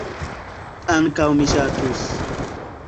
Ankaŭ mi ŝatus.